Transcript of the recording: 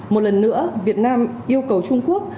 một lần nữa việt nam yêu cầu trung quốc